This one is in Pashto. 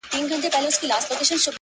• یو وخت زما هم برابره زندګي وه ,